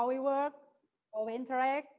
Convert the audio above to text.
bagaimana kita berinteraksi